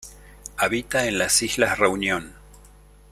Habita en las islas Reunion.